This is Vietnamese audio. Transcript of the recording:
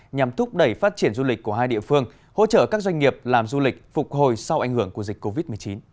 nhằm thúc đẩy phát triển du lịch của hai địa phương hỗ trợ các doanh nghiệp làm du lịch phục hồi sau ảnh hưởng của dịch covid một mươi chín